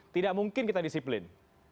tidak mungkin kita disiplin